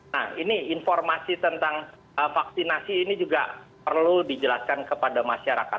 nah ini informasi tentang vaksinasi ini juga perlu dijelaskan kepada masyarakat